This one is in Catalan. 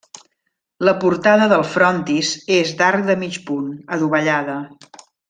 La portada del frontis és d'arc de mig punt, adovellada.